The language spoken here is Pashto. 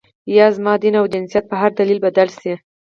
یا زما دین او جنسیت په هر دلیل بدل شي.